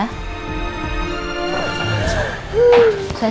tahan ya ibu